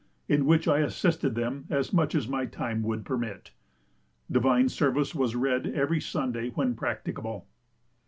in which I assisted them as much as my time would permit. Divine service was read every Sunday when practicable.